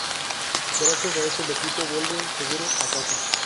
Gracias a esto el equipo vuelve seguro a casa.